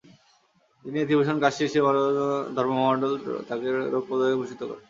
তিনি নীতিভূষণ, কাশ্মীর শ্রীভারত ধর্ম মহামন্ডল তাকে রৌপ্যপদকে ভূষিত করে।